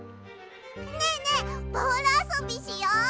ねえねえボールあそびしよう！